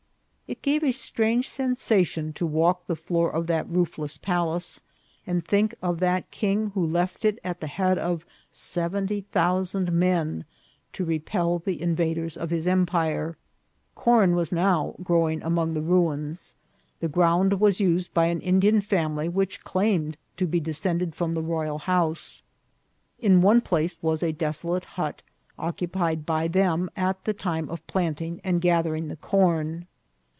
It gave a strange sensation to walk the floor of that roofless palace, and think of that king who left it at the head of seventy thousand men to repel the invaders of his empire. Corn was now growing among the ruins. The ground was used by an Indian family which claim ed to be descended from the royal house. In one place was a desolate hut, occupied by them at the time of planting and gathering the corn.